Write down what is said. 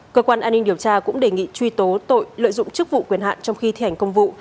cơ quan an ninh điều tra cũng đề nghị truy tố tội lợi dụng chức vụ quyền hạn trong khi thi hành công vụ